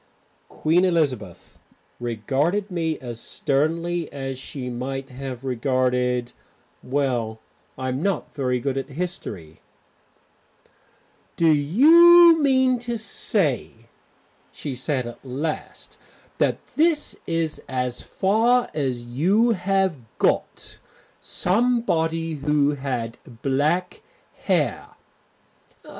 Queen Elizabeth regarded me as sternly as she might have regarded Well, I'm not very good at history. "Do you mean to say," she said at last, "that that is as far as you have got? Somebody who had black hair?"